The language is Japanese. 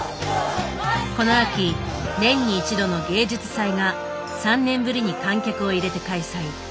この秋年に一度の「芸術祭」が３年ぶりに観客を入れて開催。